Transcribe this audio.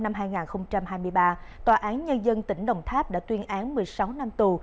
ngày hai mươi ba tháng năm năm hai nghìn hai mươi ba tòa án nhân dân tỉnh đồng tháp đã tuyên án một mươi sáu năm tù